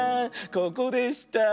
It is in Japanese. ここでした。